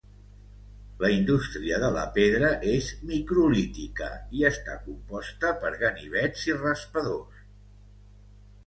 La indústria de la pedra és microlítica i està composta per ganivets i raspadors.